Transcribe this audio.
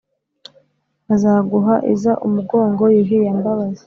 bazaguha iza umugongo yuhi ya mbabazi,